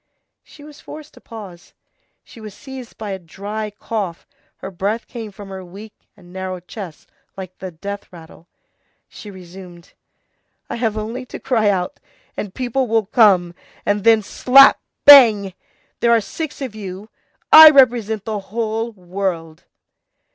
She was forced to pause; she was seized by a dry cough, her breath came from her weak and narrow chest like the death rattle. She resumed:— "I have only to cry out, and people will come, and then slap, bang! There are six of you; I represent the whole world."